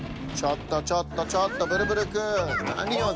ちょっとちょっとちょっとブルブルくん！